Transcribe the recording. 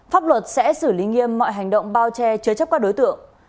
pháp luật sẽ xử lý nghiêm mọi hành động bao che chứa chấp các đối tượng